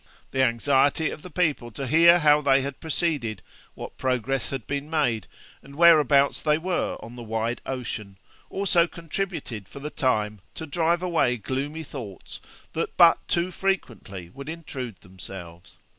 The anxiety of the people to hear how they had proceeded, what progress had been made, and whereabouts they were on the wide ocean, also contributed for the time to drive away gloomy thoughts that but too frequently would intrude themselves.